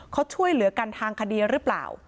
เขาช่วยเหลือกันทางคดีหรือเปล่า